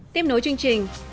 tiếp nối chương trình